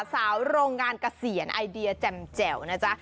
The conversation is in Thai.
โรงงานเกษียณไอเดียแจ่มแจ่วนะจ๊ะ